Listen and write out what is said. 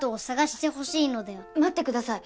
待ってください。